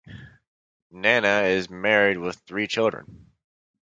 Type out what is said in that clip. Nana is married with three children.